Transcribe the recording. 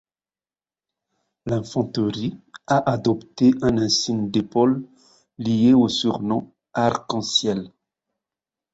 La d'infanterie a adopté un insigne d'épaule lié au surnom arc-en-ciel.